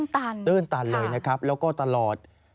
ตื่นตันค่ะแล้วก็ตลอด